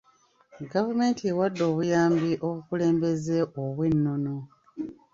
Gavumenti ewadde obuyambi obukulembeze obw'ennono.